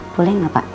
boleh gak pak